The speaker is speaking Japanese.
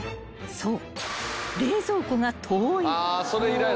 そう。